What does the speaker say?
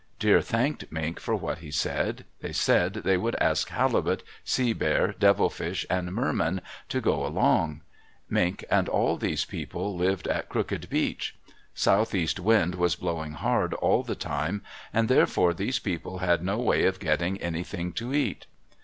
Deer thanked Mink for what he said. They said they would ask Halibut, Sea Bear, Devilfish, and Merman to go along. Mink and all these people lived at Crooked Beach. Southeast Wind was blowing hard all the time, and therefore these people had no way of getting anything to eat.